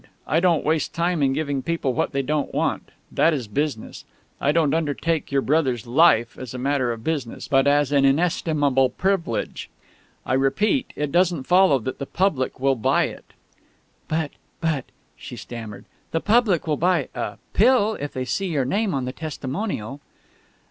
"I don't waste time in giving people what they don't want. That is business. I don't undertake your brother's 'Life' as a matter of business, but as an inestimable privilege. I repeat, it doesn't follow that the public will buy it." "But but " she stammered, "the public will buy a Pill if they see your name on the testimonial!"